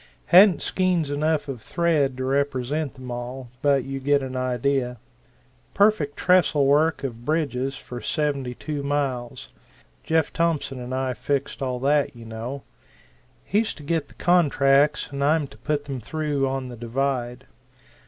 Hadn't skeins of thread enough to represent them all but you get an idea perfect trestle work of bridges for seventy two miles: Jeff Thompson and I fixed all that, you know; he's to get the contracts and I'm to put them through on the divide.